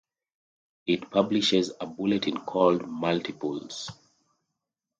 It publishes a bulletin called "Multiples".